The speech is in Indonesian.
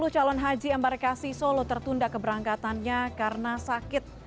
sepuluh calon haji embarkasi solo tertunda keberangkatannya karena sakit